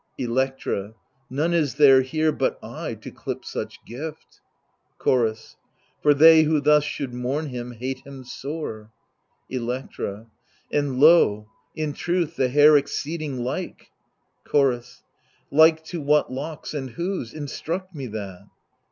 Electra None is there here but I, to clip such gift. Chorus For they who thus should mourn him hate him sore. Electra And lo 1 in truth the hair exceeding like — Chorus Like to what locks and whose ? instruct me that.